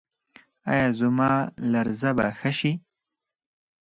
ایا زما لرزه به ښه شي؟